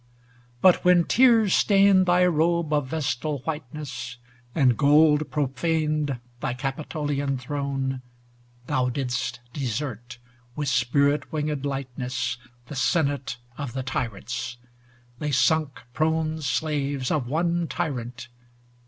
But when tears stained thy robe of vestal whiteness, And gold profaned thy Capitolian throne, Thou didst desert, with spirit winged lightness. The senate of the tyrants: they sunk prone Slaves of one tyrant.